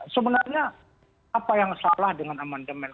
sebenarnya apa yang salah dengan amandemen